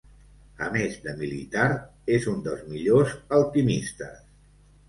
A més de militar, és un dels millors alquimistes.